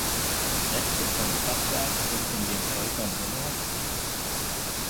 Reste von Fachwerk sind in den Häusern Nr.